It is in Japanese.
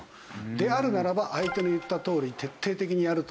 であるならば相手の言ったとおり徹底的にやると。